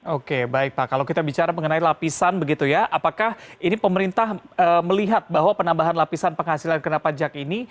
oke baik pak kalau kita bicara mengenai lapisan begitu ya apakah ini pemerintah melihat bahwa penambahan lapisan penghasilan kena pajak ini